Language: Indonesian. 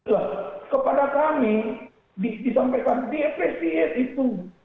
nah kepada kami disampaikan diapresiasi itu